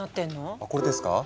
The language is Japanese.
あこれですか？